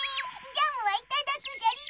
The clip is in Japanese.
ジャムはいただくじゃり！